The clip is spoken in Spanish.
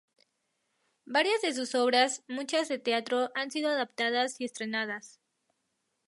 Varias de sus obras, muchas de teatro, han sido adaptadas y estrenadas.